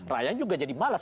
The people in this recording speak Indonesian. rakyat juga jadi malas